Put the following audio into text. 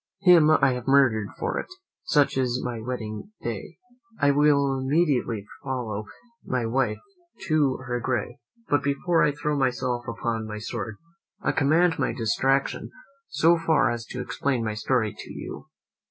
Him I have murdered for it. Such is my wedding day. I will immediately follow my wife to her grave, but before I throw myself upon my sword, I command my distraction so far as to explain my story to you.